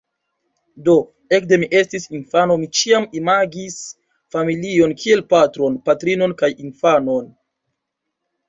Do, ekde mi estis infano, mi ĉiam imagis familion kiel patron, patrinon kaj infanon.